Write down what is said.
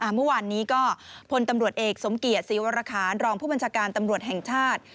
เมื่อวานนี้ก็พลตำรวจเอกสมเกียจศรีวรคารรองผู้บัญชาการตำรวจแห่งชาติ